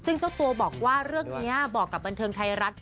ซึ่งเจ้าตัวบอกว่าเรื่องนี้บอกกับบันเทิงไทยรัฐ